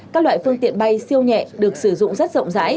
các loại phương tiện bay siêu nhẹ được sử dụng rất rộng rãi